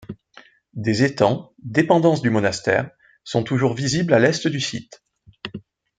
Des étangs, dépendance du monastère, sont toujours visibles à l'est du site.